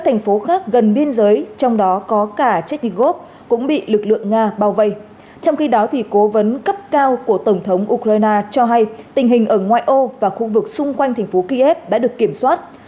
hãng thông tấn interfax